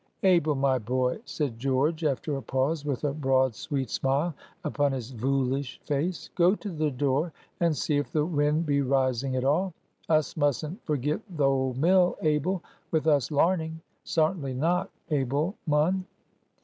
"Abel, my boy," said George, after a pause, with a broad sweet smile upon his "voolish" face, "go to the door and see if the wind be rising at all; us mustn't forget th' old mill, Abel, with us larning. Sartinly not, Abel, mun."